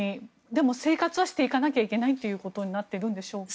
でも生活はしていかなきゃいけないということになっているんでしょうか。